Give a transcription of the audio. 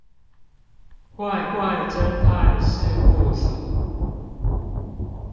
怪怪偵探事務所